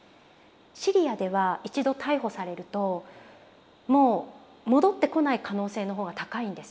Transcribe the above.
シリアでは一度逮捕されるともう戻ってこない可能性の方が高いんですね。